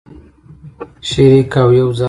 شریک او یوځای.